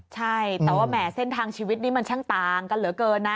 ใช่แต่ว่าแหมเส้นทางชีวิตนี้มันช่างต่างกันเหลือเกินนะ